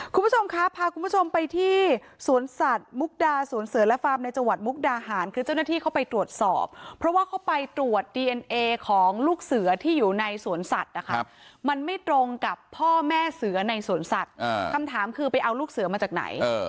คุณผู้ชมครับพาคุณผู้ชมไปที่สวนสัตว์มุกดาสวนเสือและฟาร์มในจังหวัดมุกดาหารคือเจ้าหน้าที่เข้าไปตรวจสอบเพราะว่าเขาไปตรวจดีเอ็นเอของลูกเสือที่อยู่ในสวนสัตว์นะคะมันไม่ตรงกับพ่อแม่เสือในสวนสัตว์คำถามคือไปเอาลูกเสือมาจากไหน